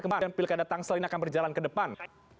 kembar dengan pilkada tangsel yang akan berjalan ke depan